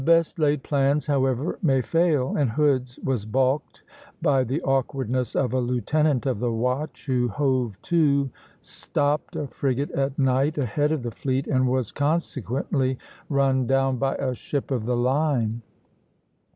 ] The best laid plans, however, may fail, and Hood's was balked by the awkwardness of a lieutenant of the watch, who hove to (stopped) a frigate at night ahead of the fleet, and was consequently run down by a ship of the line.